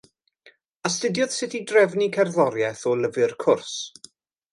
Astudiodd sut i drefnu cerddoriaeth o lyfr cwrs.